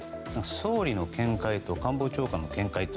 総理の見解と官房長官の見解